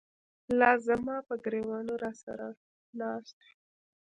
لاس زماپه ګر ېوانه راسره ناست وې